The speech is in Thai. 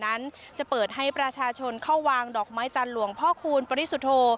วิทยาลัยขอนแก่นนั้นจะเปิดให้ประชาชนเข้าวางดอกไม้จันรวงพ่อคูณปริสุโธ